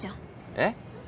えっ？